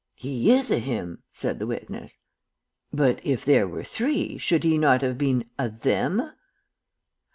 "'He is a him,' said the witness. "'But if there were three, should he not have been a them?'